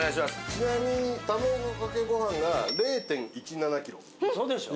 ちなみに卵かけご飯が０．１７キロ嘘でしょ